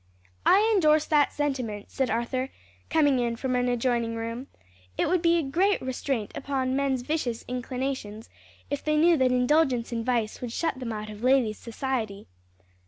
"I endorse that sentiment," said Arthur, coming in from an adjoining room; "it would be a great restraint upon men's vicious inclinations, if they knew that indulgence in vice would shut them out of ladies' society."